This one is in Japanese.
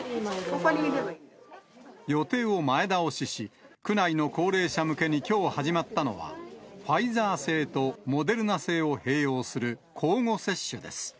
予定を前倒しし、区内の高齢者向けにきょう始まったのは、ファイザー製とモデルナ製を併用する交互接種です。